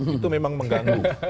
itu memang mengganggu